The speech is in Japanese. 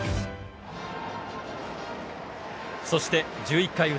そして１１回ウラ。